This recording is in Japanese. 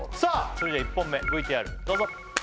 それでは１本目ＶＴＲどうぞ！